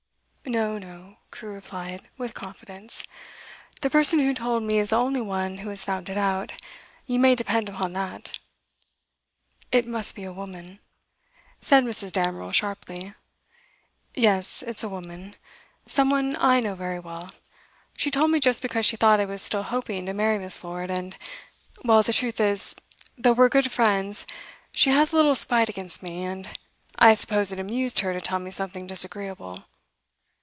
'No, no,' Crewe replied, with confidence. 'The person who told me is the only one who has found it out; you may depend upon that.' 'It must be a woman,' said Mrs. Damerel sharply. 'Yes, it's a woman. Some one I know very well. She told me just because she thought I was still hoping to marry Miss. Lord, and well, the truth is, though we're good friends, she has a little spite against me, and I suppose it amused her to tell me something disagreeable.